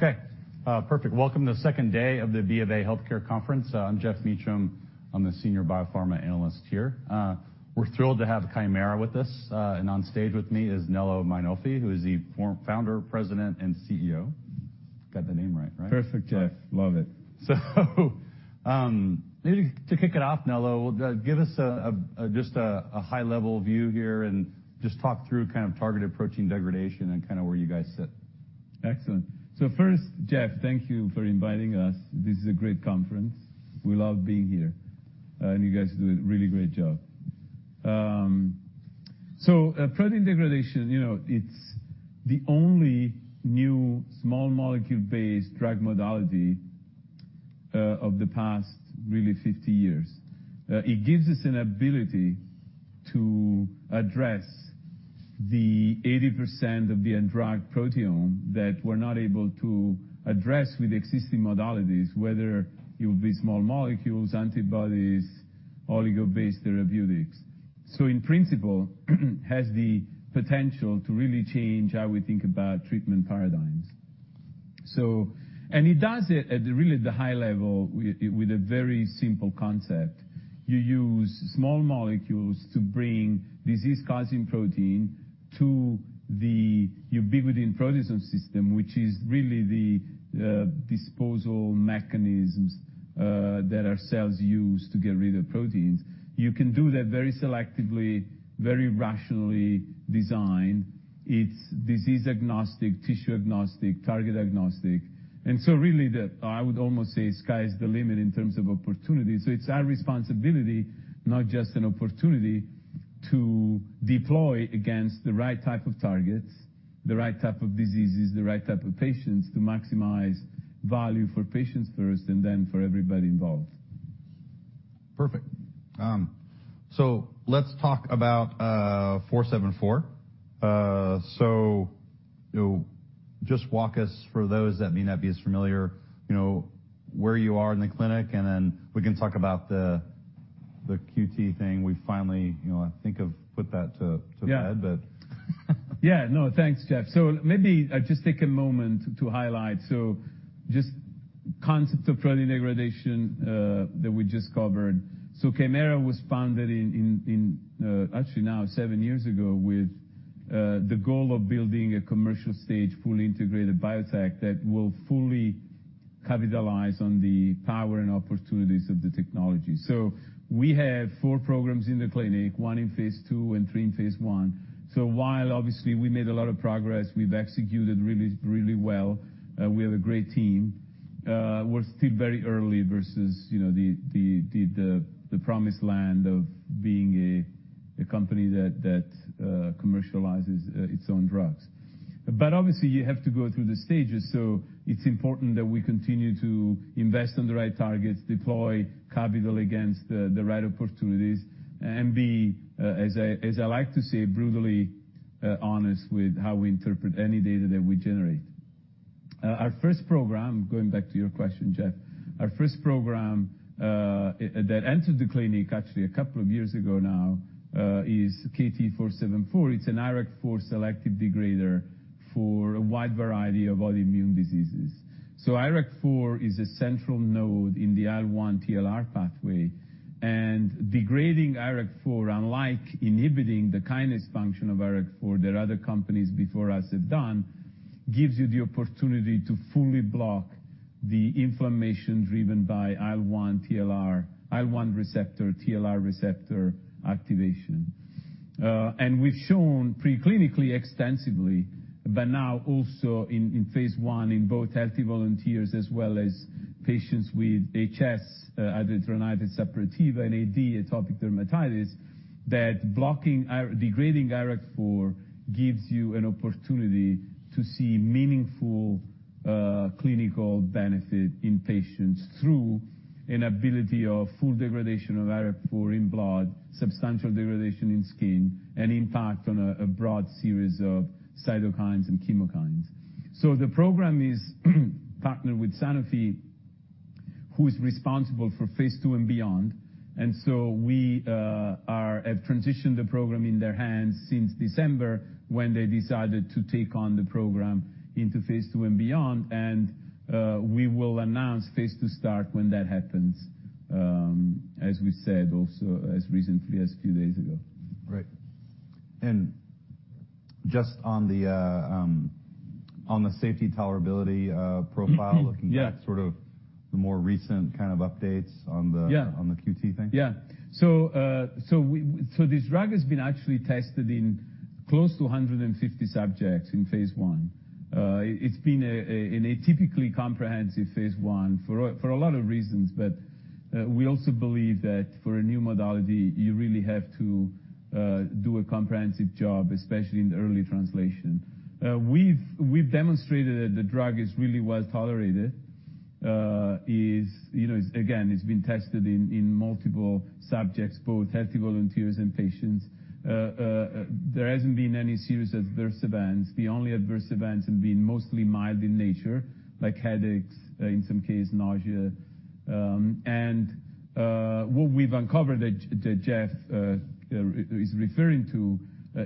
Okay, perfect. Welcome to the second day of the BofA Healthcare Conference. I'm Geoff Meacham. I'm the Senior Biopharma Analyst here. We're thrilled to have Kymera with us, and on stage with me is Nello Mainolfi, who is the Founder, President, and CEO. Got the name right? Perfect, Geoff. Love it. Maybe to kick it off, Nello, give us just a high-level view here and just talk through kind of targeted protein degradation and kinda where you guys sit. Excellent. First, Geoff, thank you for inviting us. This is a great conference. We love being here, and you guys do a really great job. Protein degradation it's the only new small molecule-based drug modality of the past, really 50 s. It gives us an ability to address the 80% of the undrugged proteome that we're not able to address with existing modalities, whether it will be small molecules, antibodies, oligo-based therapeutics. In principle, has the potential to really change how we think about treatment paradigms. It does it at a really the high level with a very simple concept. You use small molecules to bring disease-causing protein to the ubiquitin proteasome system, which is really the disposal mechanisms that our cells use to get rid of proteins. You can do that very selectively, very rationally designed. It's disease-agnostic, tissue-agnostic, target-agnostic. Really the, I would almost say sky's the limit in terms of opportunities. It's our responsibility, not just an opportunity, to deploy against the right type of targets, the right type of diseases, the right type of patients to maximize value for patients first and then for everybody involved. Perfect. Let's talk about four-seven-four. You know, just walk us for those that may not be as familiar, where you are in the clinic, and then we can talk about the QT thing. We finally, I think of put that to- Yeah ...to bed. Yeah, no, thanks, Geoff. Maybe I just take a moment to highlight. Just concept of protein degradation that we just covered. Kymera was founded in actually now seven years ago with the goal of building a commercial stage, fully integrated biotech that will fully capitalize on the power and opportunities of the technology. We have four programs in the clinic, one in Phase II and three in Phase I. While obviously we made a lot of progress, we've executed really, really well, we have a great team, we're still very early versus, the promised land of being a company that commercializes its own drugs. Obviously, you have to go through the stages, so it's important that we continue to invest on the right targets, deploy capital against the right opportunities, and be, as I like to say, brutally honest with how we interpret any data that we generate. Our first program, going back to your question, Geoff, our first program that entered the clinic actually a couple of years ago now, is KT-474. It's an IRAK4 selective degrader for a wide variety of autoimmune diseases. IRAK4 is a central node in the IL-1 TLR pathway. Degrading IRAK4, unlike inhibiting the kinase function of IRAK4, there are other companies before us have done, gives you the opportunity to fully block the inflammation driven by IL-1 TLR, IL-1 receptor, TLR receptor activation. We've shown pre-clinically extensively, but now also in Phase I in both healthy volunteers as well as patients with HS, hidradenitis suppurativa, and AD, atopic dermatitis, that degrading IRAK4 gives you an opportunity to see meaningful clinical benefit in patients through an ability of full degradation of IRAK4 in blood, substantial degradation in skin, and impact on a broad series of cytokines and chemokines. The program is partnered with Sanofi, who is responsible for Phase II and beyond. We have transitioned the program in their hands since December, when they decided to take on the program into Phase II and beyond. We will announce Phase II start when that happens, as we said, also as recently as few days ago. Right. Just on the on the safety tolerability profile. Yeah ...looking at sort of the more recent kind of updates. Yeah on the QT thing. This drug has been actually tested in close to 150 subjects in Phase I. It's been a typically comprehensive Phase I for a lot of reasons. We also believe that for a new modality, you really have to do a comprehensive job, especially in the early translation. We've demonstrated that the drug is really well tolerated. It's again, it's been tested in multiple subjects, both healthy volunteers and patients. There hasn't been any serious adverse events. The only adverse events have been mostly mild in nature, like headaches, in some case, nausea. What we've uncovered that Geoff is referring to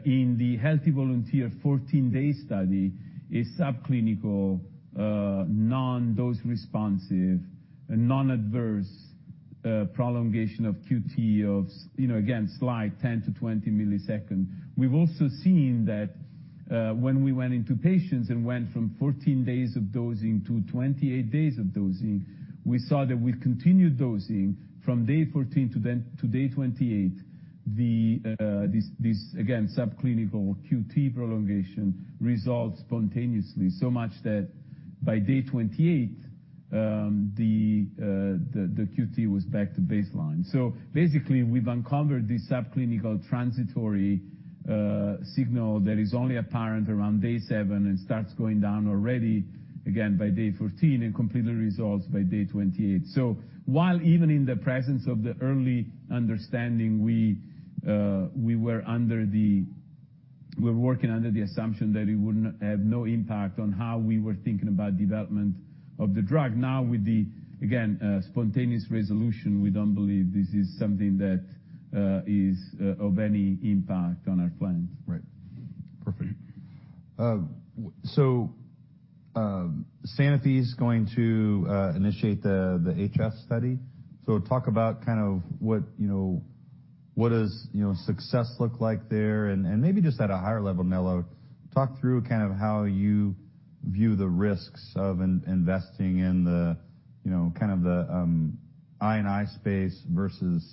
in the healthy volunteer 14-day study is subclinical, non-dose responsive and non-adverse. Prolongation of QT, again, slight 10-20 millisecond. We've also seen that when we went into patients and went from 14 days of dosing to 28 days of dosing, we saw that with continued dosing from day 14 to day 28, this again, subclinical QT prolongation resolved spontaneously. Much that by day 28, the QT was back to baseline. Basically, we've uncovered this subclinical transitory signal that is only apparent around day 7 and starts going down already, again, by day 14 and completely resolves by day 28. While even in the presence of the early understanding, we were working under the assumption that it would have no impact on how we were thinking about development of the drug. With the, again, spontaneous resolution, we don't believe this is something that is of any impact on our plans. Right. Perfect. Sanofi is going to initiate the HS study. Talk about kind of what, what does, success look like there? Maybe just at a higher level, Nello, talk through kind of how you view the risks of investing in the, kind of the I and I space versus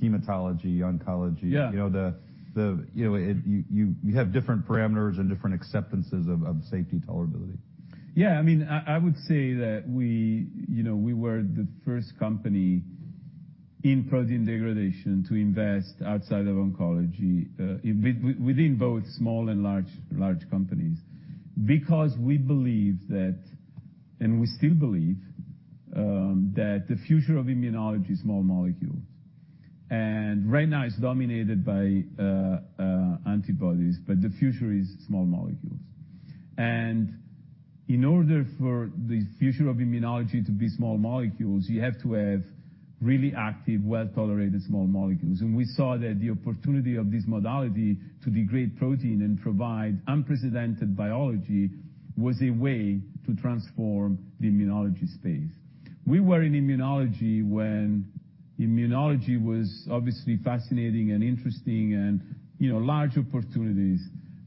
hematology, oncology. Yeah. You know, you have different parameters and different acceptances of safety tolerability. I mean, I would say that we were the first company in protein degradation to invest outside of oncology, within both small and large companies. We believe that, and we still believe, that the future of immunology is small molecules. Right now it's dominated by antibodies, but the future is small molecules. In order for the future of immunology to be small molecules, you have to have really active, well-tolerated small molecules. We saw that the opportunity of this modality to degrade protein and provide unprecedented biology was a way to transform the immunology space. We were in immunology when immunology was obviously fascinating and interesting and, large opportunities,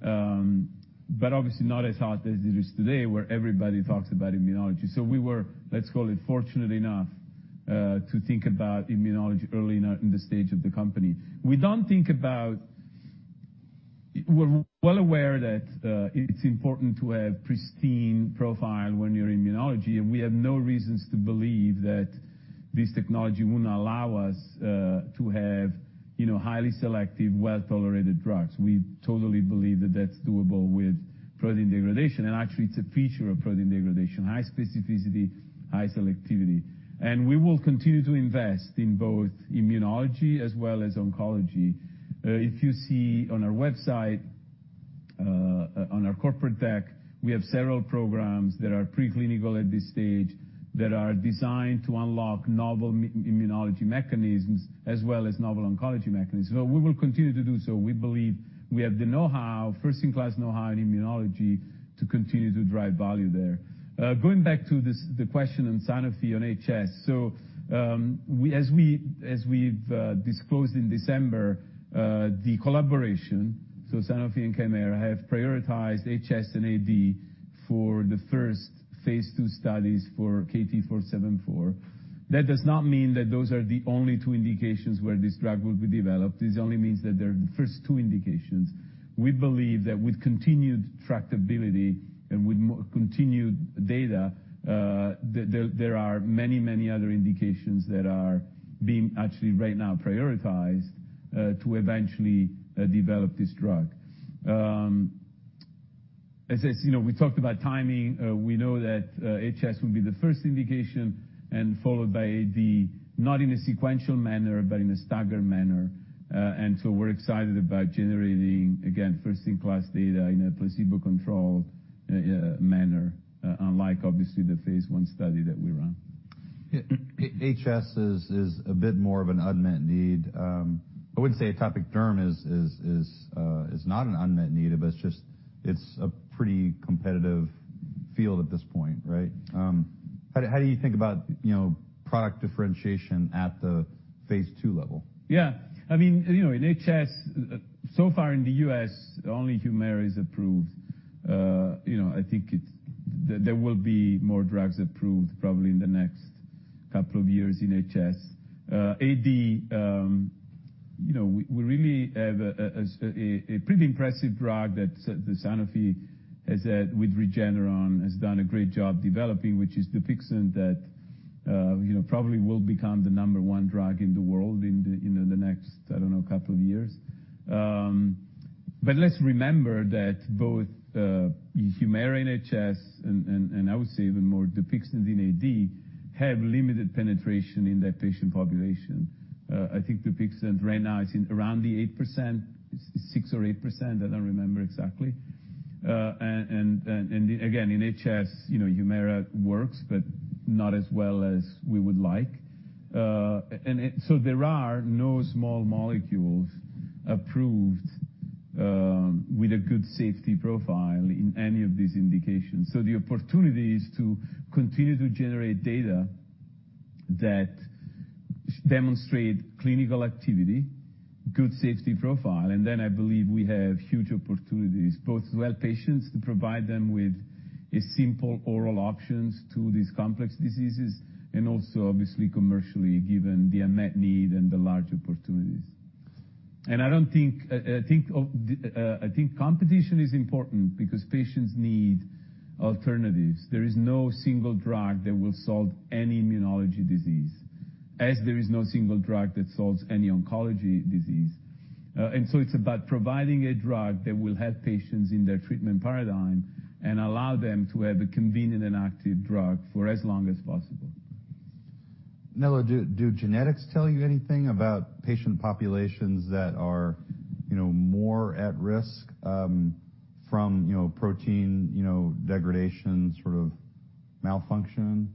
but obviously not as hot as it is today where everybody talks about immunology. We were, let's call it, fortunate enough to think about immunology early in the stage of the company. We're well aware that it's important to have pristine profile when you're in immunology, and we have no reasons to believe that this technology wouldn't allow us to have, highly selective, well-tolerated drugs. We totally believe that that's doable with protein degradation. Actually it's a feature of protein degradation, high specificity, high selectivity. We will continue to invest in both immunology as well as oncology. If you see on our website, on our corporate deck, we have several programs that are preclinical at this stage that are designed to unlock novel immunology mechanisms as well as novel oncology mechanisms. We will continue to do so. We believe we have the know-how, first-in-class know-how in immunology to continue to drive value there. Going back to this, the question on Sanofi on HS. We, as we've disclosed in December, the collaboration, Sanofi and Kymera have prioritized HS and AD for the first Phase II studies for KT-474. That does not mean that those are the only two indications where this drug will be developed. This only means that they're the first two indications. We believe that with continued tractability and with continued data, there are many other indications that are being actually right now prioritized to eventually develop this drug. As we talked about timing. We know that, HS will be the first indication and followed by AD, not in a sequential manner, but in a staggered manner. We're excited about generating, again, first-in-class data in a placebo-controlled, manner, unlike obviously the Phase I study that we ran. Yeah. HS is a bit more of an unmet need. I wouldn't say atopic derm is not an unmet need, but it's just, it's a pretty competitive field at this point, right? How do you think about, product differentiation at the Phase II level? Yeah. I mean, in HS, so far in the US, only Humira is approved. I think there will be more drugs approved probably in the next couple of years in HS. AD, we really have a pretty impressive drug that Sanofi has, with Regeneron, has done a great job developing, which is Dupixent that, probably will become the number one drug in the world in the next, I don't know, couple of years. Let's remember that both, Humira in HS and I would say even more Dupixent in AD, have limited penetration in that patient population. I think Dupixent right now is in around the 8%, 6% or 8%, I don't remember exactly. Again, in HS, Humira works, but not as well as we would like. There are no small molecules approved with a good safety profile in any of these indications. The opportunity is to continue to generate data that demonstrate clinical activity, good safety profile, and then I believe we have huge opportunities both to help patients, to provide them with a simple oral options to these complex diseases, and also obviously commercially, given the unmet need and the large opportunities. I don't think, I think of, I think competition is important because patients need alternatives. There is no single drug that will solve any immunology disease, as there is no single drug that solves any oncology disease. It's about providing a drug that will help patients in their treatment paradigm and allow them to have a convenient and active drug for as long as possible. Nello, do genetics tell you anything about patient populations that are, more at risk from, protein, degradation sort of malfunction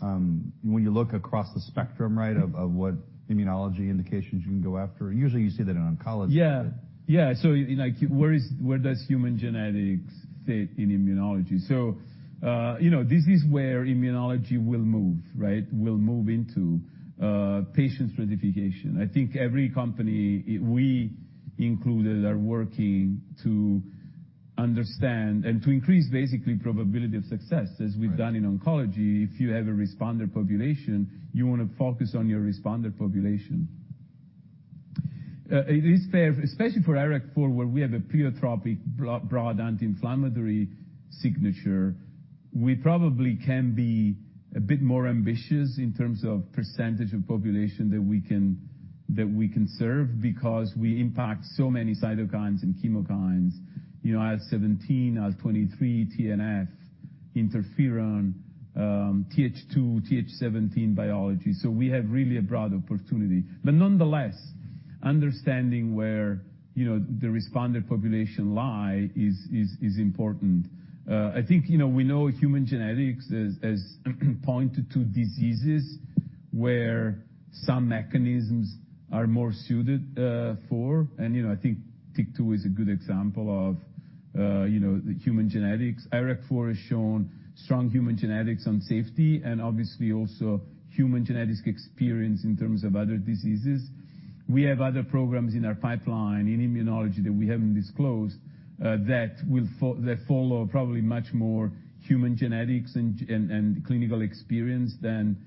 when you look across the spectrum, right, of what immunology indications you can go after? Usually you see that in oncology. Yeah. Yeah. Like where does human genetics sit in immunology? This is where immunology will move, right? Will move into patient stratification. I think every company, we included, are working to understand and to increase basically probability of success, as we've done in oncology. If you have a responder population, you wanna focus on your responder population. It is fair, especially for IRAK4, where we have a pleiotropic broad anti-inflammatory signature, we probably can be a bit more ambitious in terms of percentage of population that we can, that we can serve, because we impact so many cytokines and chemokines, IL-17, IL-23, TNF, interferon, TH2, TH17 biology. we have really a broad opportunity. Nonetheless, understanding where, the responder population lie is important. I think, we know human genetics as pointed to diseases where some mechanisms are more suited for. I think TYK2 is a good example of, the human genetics. IRAK4 has shown strong human genetics on safety and obviously also human genetics experience in terms of other diseases. We have other programs in our pipeline in immunology that we haven't disclosed that follow probably much more human genetics and clinical experience than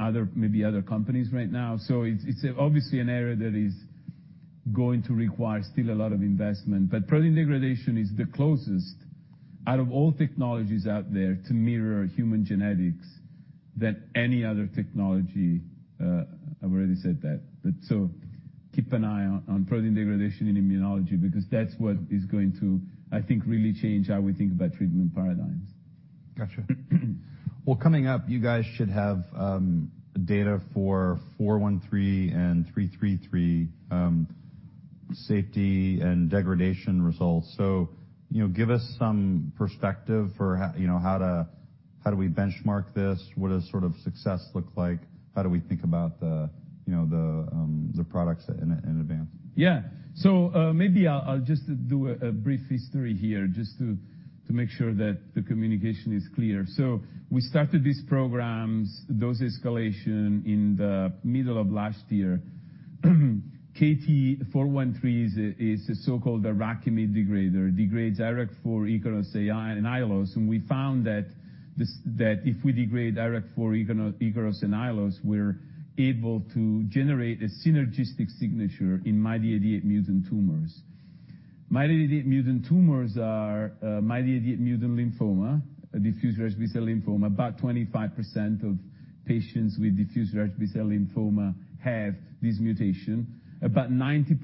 other, maybe other companies right now. It's obviously an area that is going to require still a lot of investment. Protein degradation is the closest out of all technologies out there to mirror human genetics than any other technology. I've already said that. Keep an eye on protein degradation in immunology, because that's what is going to, I think, really change how we think about treatment paradigms. Gotcha. Well, coming up, you guys should have data for four one three and three three three, safety and degradation results. You know, give us some perspective for how to, how do we benchmark this? What does sort of success look like? How do we think about the products in advance? Yeah. Maybe I'll just do a brief history here just to make sure that the communication is clear. KT-413 is a so-called IRAKIMiD degrader. It degrades IRAK4, Ikaros, AI, and Aiolos, and we found that if we degrade IRAK4, Ikaros, and Aiolos, we're able to generate a synergistic signature in MYD88 mutant tumors. MYD88 mutant tumors are MYD88 mutant lymphoma, diffuse large B-cell lymphoma. About 25% of patients with diffuse large B-cell lymphoma have this mutation. About 90%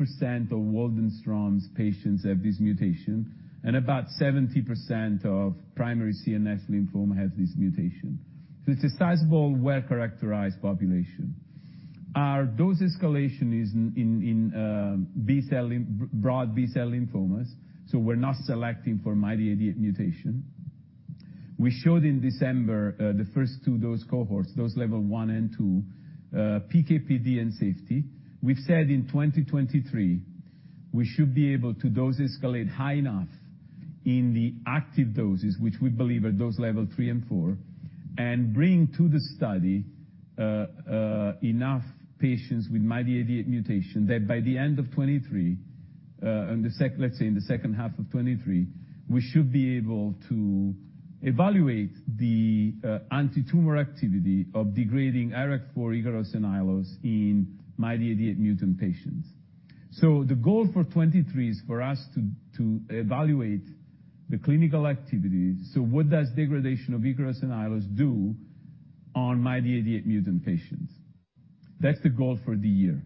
of Waldenström's patients have this mutation, and about 70% of primary CNS lymphoma have this mutation. It's a sizable, well-characterized population. Our dose escalation is in broad B-cell lymphomas, so we're not selecting for MYD88 mutation. We showed in December, the first 2 dose cohorts, dose level 1 and 2, PK, PD, and safety. We've said in 2023 we should be able to dose escalate high enough in the active doses, which we believe are dose level 3 and 4, and bring to the study enough patients with MYD88 mutation that by the end of 2023, in the second half of 2023, we should be able to evaluate the antitumor activity of degrading IRAK4, Ikaros, and Aiolos in MYD88 mutant patients. The goal for 2023 is for us to evaluate the clinical activity. What does degradation of Ikaros and Aiolos do on MYD88 mutant patients? That's the goal for the year.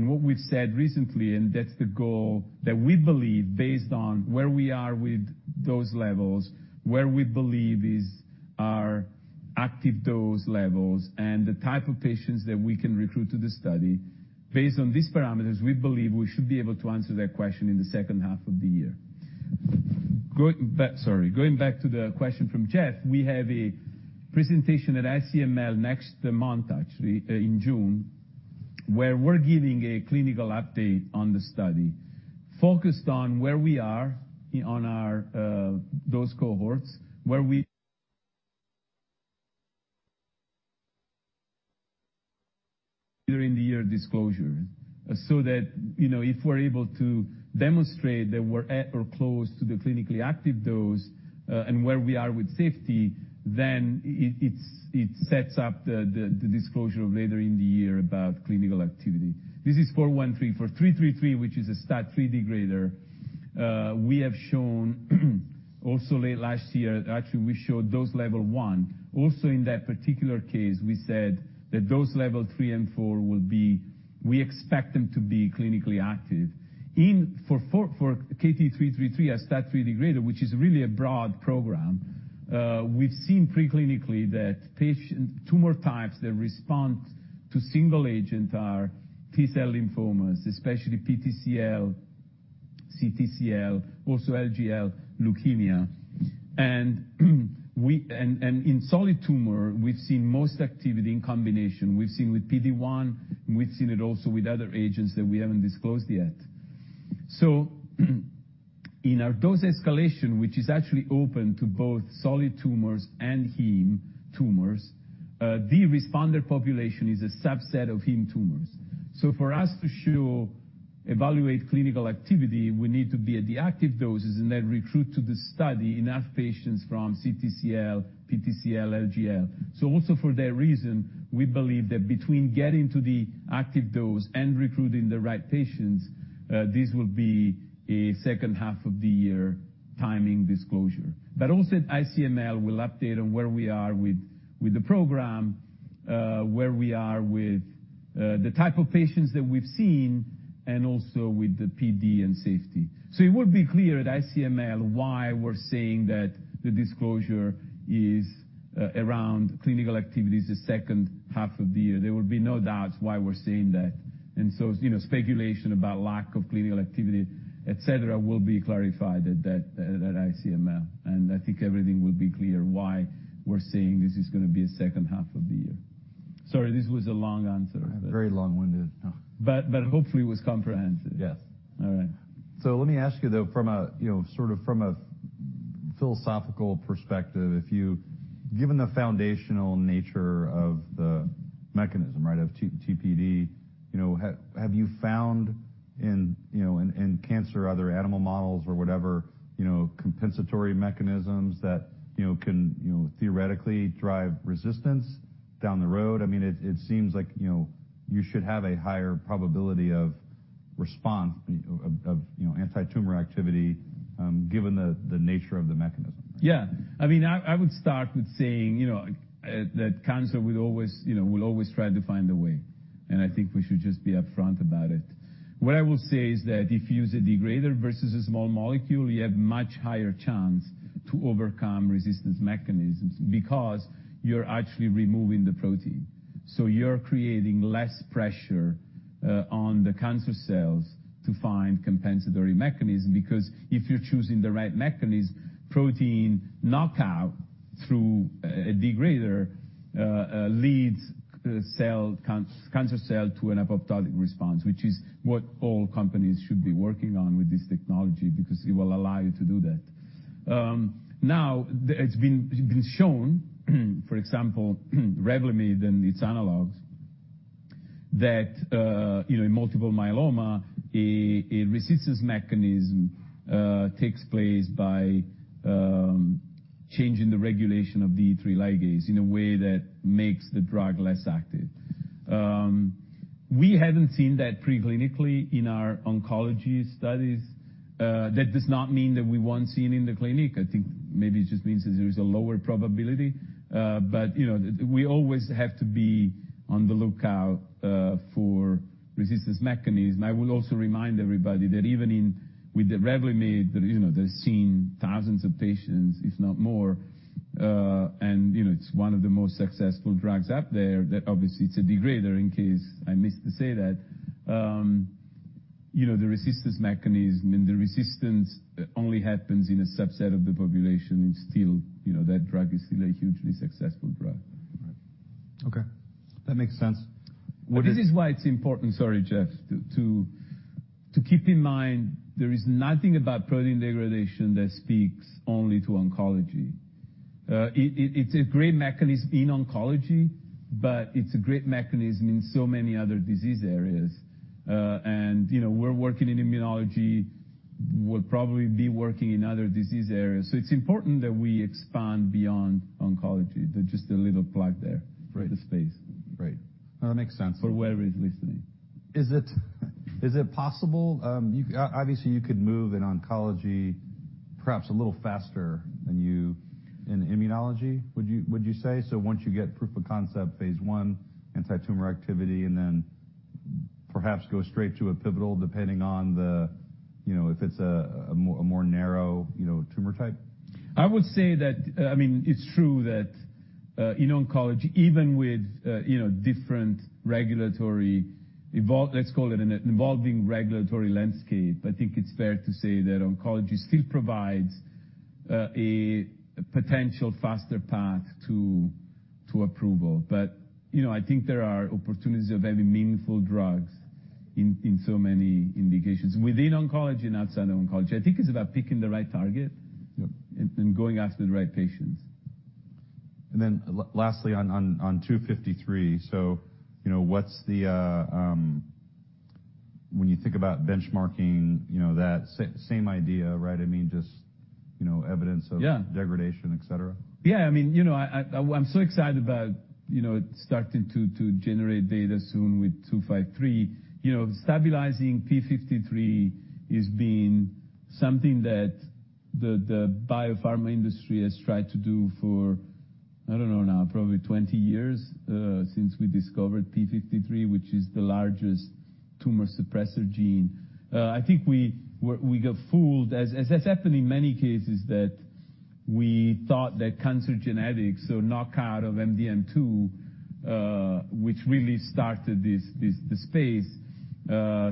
What we've said recently, and that's the goal that we believe based on where we are with dose levels, where we believe is our active dose levels, and the type of patients that we can recruit to the study. Based on these parameters, we believe we should be able to answer that question in the second half of the year. Going back to the question from Geoff, we have a presentation at ICML next month, actually, in June, where we're giving a clinical update on the study focused on where we are on our dose cohorts. During the year disclosures, if we're able to demonstrate that we're at or close to the clinically active dose, and where we are with safety, then it sets up the disclosure later in the year about clinical activity. This is KT-413. For KT-333, which is a STAT3 degrader, actually, we showed dose level 1. Also in that particular case, we said that dose level 3 and 4 we expect them to be clinically active. For KT-333, a STAT3 degrader, which is really a broad program, we've seen pre-clinically that tumor types that respond to single agent are T-cell lymphomas, especially PTCL, CTCL, also LGL leukemia. In solid tumor, we've seen most activity in combination. We've seen with PD-1, and we've seen it also with other agents that we haven't disclosed yet. In our dose escalation, which is actually open to both solid tumors and heme tumors, the responder population is a subset of heme tumors. For us to evaluate clinical activity, we need to be at the active doses and then recruit to the study enough patients from CTCL, PTCL, LGL. Also for that reason, we believe that between getting to the active dose and recruiting the right patients, this will be a second half of the year timing disclosure. Also ICML will update on where we are with the program, where we are with the type of patients that we've seen, and also with the PD and safety. It will be clear at ICML why we're saying that the disclosure is around clinical activity is the second half of the year. There will be no doubts why we're saying that. You know, speculation about lack of clinical activity, et cetera, will be clarified at ICML. I think everything will be clear why we're saying this is gonna be a second half of the year. Sorry, this was a long answer. A very long-winded. No. hopefully it was comprehensive. Yes. All right. Let me ask you, though, from a, sort of from a philosophical perspective, if you given the foundational nature of the mechanism, right, of TPD, have you found in, in cancer or other animal models or whatever, compensatory mechanisms that, can theoretically drive resistance down the road? I mean, it seems like, you should have a higher probability of response of, antitumor activity, given the nature of the mechanism. Yeah. I mean, I would start with saying, that cancer will always, try to find a way. I think we should just be upfront about it. What I will say is that if you use a degrader versus a small molecule, you have much higher chance to overcome resistance mechanisms because you're actually removing the protein. You're creating less pressure on the cancer cells to find compensatory mechanism because if you're choosing the right mechanism, protein knockout through a degrader leads the cancer cell to an apoptotic response, which is what all companies should be working on with this technology because it will allow you to do that. Now it's been shown, for example, Revlimid and its analogs that, in multiple myeloma a resistance mechanism takes place by changing the regulation of the E3 ligase in a way that makes the drug less active. We haven't seen that pre-clinically in our oncology studies. That does not mean that we won't see it in the clinic. I think maybe it just means that there is a lower probability. We always have to be on the lookout for resistance mechanism. I will also remind everybody that even with the Revlimid, they've seen thousands of patients, if not more, and it's one of the most successful drugs out there that obviously it's a degrader in case I missed to say that. The resistance mechanism and the resistance only happens in a subset of the population and still, that drug is still a hugely successful drug. Okay. That makes sense. This is why it's important, sorry, Geoff, to keep in mind there is nothing about protein degradation that speaks only to oncology. It's a great mechanism in oncology, but it's a great mechanism in so many other disease areas. We're working in immunology. We'll probably be working in other disease areas. It's important that we expand beyond oncology. Just a little plug there. Right. for the space. Right. No, that makes sense. For whoever is listening. Is it possible, obviously you could move in oncology perhaps a little faster than you in immunology, would you say? Once you get proof of concept Phase I antitumor activity and then perhaps go straight to a pivotal depending on the, if it's a more, a more narrow, tumor type? I would say that, I mean, it's true that in oncology, even with, different regulatory let's call it an evolving regulatory landscape, I think it's fair to say that oncology still provides a potential faster path to approval. I think there are opportunities of very meaningful drugs in so many indications within oncology and outside of oncology. I think it's about picking the right target. Yep. Going after the right patients. Lastly on 253, what's when you think about benchmarking, that same idea, right? I mean, just, evidence of. Yeah. Degradation, et cetera. Yeah. I mean, I'm so excited about, starting to generate data soon with KT-253. Stabilizing p53 is being something that the biopharma industry has tried to do for, I don't know now, probably 20 years, since we discovered p53, which is the largest tumor suppressor gene. I think we got fooled, as has happened in many cases, that we thought that cancer genetics or knockout of MDM2, which really started this space,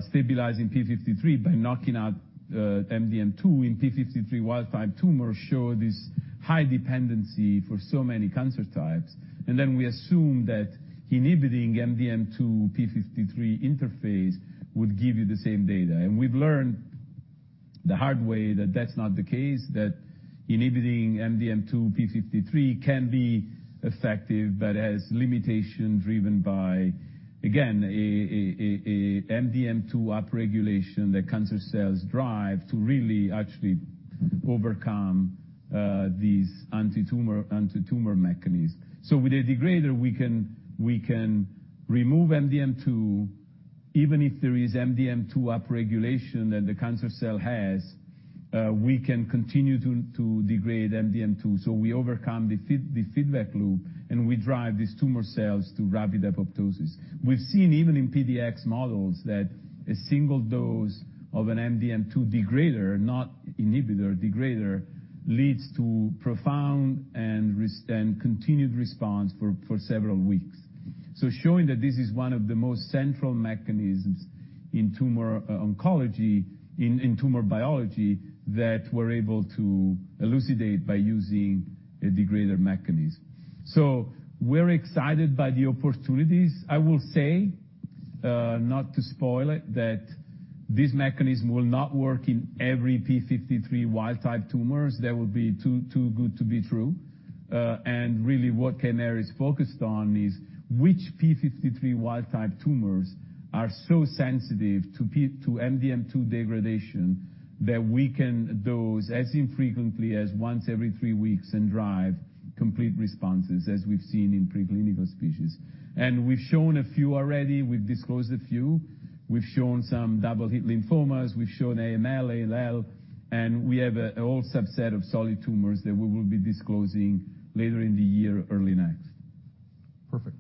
stabilizing p53 by knocking out MDM2 in p53 wild type tumors show this high dependency for so many cancer types. Then we assume that inhibiting MDM2, p53 interface would give you the same data. We've learned the hard way that that's not the case, that inhibiting MDM2, p53 can be effective, but has limitations driven by, again, a MDM2 upregulation that cancer cells drive to really actually overcome these antitumor mechanisms. With a degrader, we can remove MDM2. Even if there is MDM2 upregulation that the cancer cell has, we can continue to degrade MDM2. We overcome the feedback loop, and we drive these tumor cells to rapid apoptosis. We've seen even in PDX models that a single dose of an MDM2 degrader, not inhibitor, degrader, leads to profound and continued response for several weeks. Showing that this is one of the most central mechanisms in tumor oncology, in tumor biology, that we're able to elucidate by using a degrader mechanism. We're excited by the opportunities. I will say, not to spoil it, that this mechanism will not work in every p53 wild type tumors. That would be too good to be true. Really what Kymera is focused on is which p53 wild type tumors are so sensitive to MDM2 degradation that we can dose as infrequently as once every 3 weeks and drive complete responses as we've seen in preclinical species. We've shown a few already. We've disclosed a few. We've shown some double-hit lymphomas. We've shown AML, ALL, and we have a whole subset of solid tumors that we will be disclosing later in the year, early next. Perfect.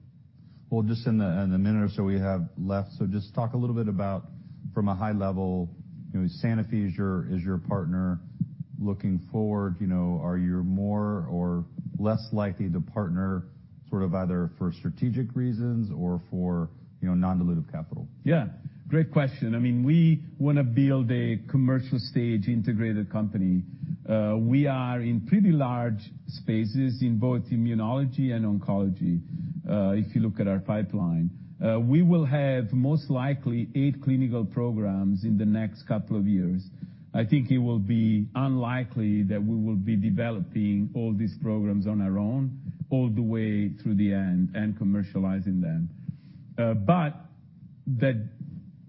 Just in the minute or so we have left, so just talk a little bit about from a high level, Sanofi is your partner. Looking forward, are you more or less likely to partner sort of either for strategic reasons or for, non-dilutive capital? Yeah, great question. I mean, we wanna build a commercial stage integrated company. We are in pretty large spaces in both immunology and oncology, if you look at our pipeline. We will have most likely eight clinical programs in the next couple of years. I think it will be unlikely that we will be developing all these programs on our own all the way through the end and commercializing them. That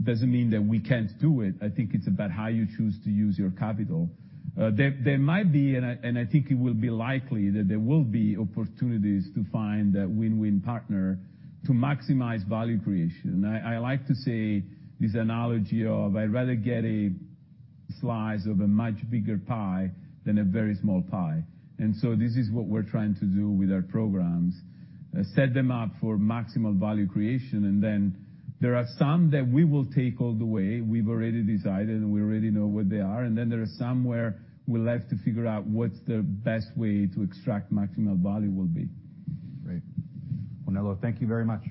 doesn't mean that we can't do it. I think it's about how you choose to use your capital. There might be, and I think it will be likely that there will be opportunities to find a win-win partner to maximize value creation. I like to say this analogy of I'd rather get a slice of a much bigger pie than a very small pie. This is what we're trying to do with our programs, set them up for maximal value creation, and then there are some that we will take all the way. We've already decided, and we already know what they are. There are some where we'll have to figure out what's the best way to extract maximal value will be. Great. Well, Nello, thank you very much.